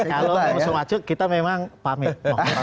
kalau mengusung acu kita memang pamit